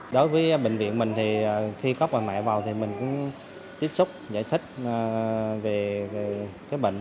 đối với bệnh viện mình thì khi có quà mẹ vào thì mình cũng tiếp xúc giải thích về cái bệnh